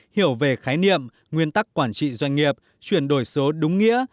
hiểu về khái niệm nguyên tắc quản trị doanh nghiệp chuyển đổi số đúng nghĩa